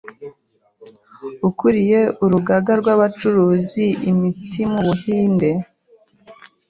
ukuriye urugaga rw'abacuruza imiti mu Buhinde